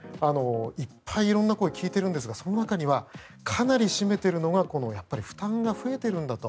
いっぱい色んな声を聞いてるんですがその辺りはかなり占めているのがこの負担が増えているんだと。